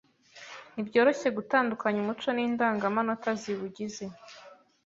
ntibyoroshye gutandukanya Umuco n’Indangamanota ziwugize